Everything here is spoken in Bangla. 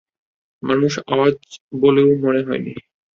মানুষের আওয়াজ বলেও মনে হয়নি।